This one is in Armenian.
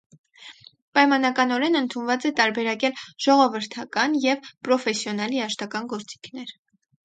Պայմանականորեն ընդունված է տարբերակել ժողովրդական և պրոֆեսիոնալ երաժշտական գործիքներ։